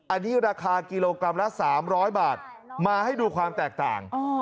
อันนี้ราคากิโลกรัมละ๓๐๐บาทมาให้ดูความแตกต่าง